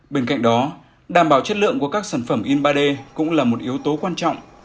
bên cạnh đó đảm bảo chất lượng của các sản phẩm in ba d cũng là một yếu tố quan trọng